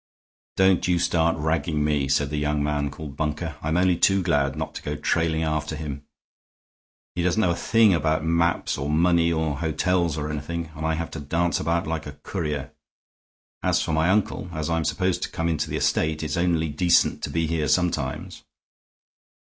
"Don't you start ragging me," said the young man called Bunker. "I'm only too glad not to go trailing after him. He doesn't know a thing about maps or money or hotels or anything, and I have to dance about like a courier. As for my uncle, as I'm supposed to come into the estate, it's only decent to be here sometimes."